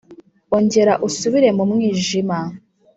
ongera usubire mu mwijima.